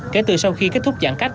kể từ sau khi kết thúc giãn cách